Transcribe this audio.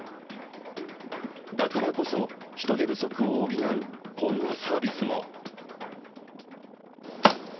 だからこそ、人手不足を補うこんなサービスも。